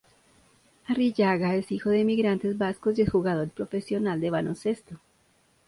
Arrillaga es hijo de emigrantes vascos y ex-jugador profesional de baloncesto.